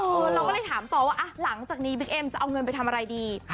เราก็เลยถามต่อว่าหลังจากนี้บิ๊กเอ็มจะเอาเงินไปทำอะไรดี